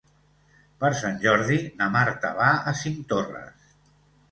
Per Sant Jordi na Marta va a Cinctorres.